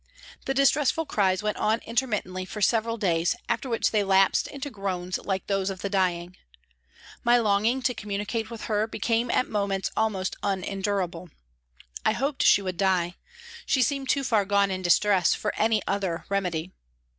The distressful cries went on intermittently for several days, after which they lapsed into groans like those of the dying. My longing to communicate with her became at moments almost unendurable. I hoped she would die ; she seemed too far gone in distress for any other remedy.